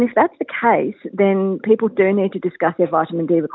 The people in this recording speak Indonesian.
maka orang orang harus membahas kebutuhan vitamin d mereka dengan dokter mereka